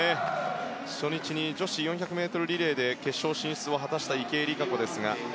初日に女子４００ｍリレーで決勝進出を果たした池江璃花子。